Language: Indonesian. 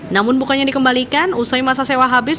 namun bukannya dikembalikan usai masa sewa habis